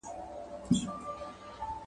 • موړ د وږي په حال څه خبر دئ؟